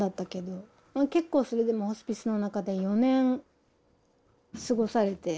結構それでもホスピスの中で４年過ごされて。